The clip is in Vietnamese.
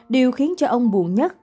điều khiến cho ông buồn nhất